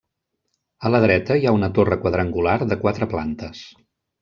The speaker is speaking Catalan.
A la dreta hi ha una torre quadrangular de quatre plantes.